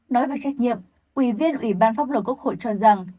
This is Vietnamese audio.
nói về trách nhiệm ủy viên ủy ban pháp luật quốc hội cho rằng